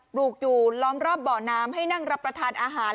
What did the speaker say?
ลูกอยู่ล้อมรอบบ่อน้ำให้นั่งรับประทานอาหาร